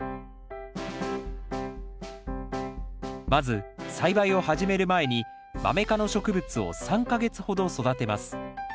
まず栽培を始める前にマメ科の植物を３か月ほど育てます。